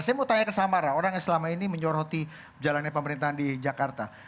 saya mau tanya ke samara orang yang selama ini menyoroti jalannya pemerintahan di jakarta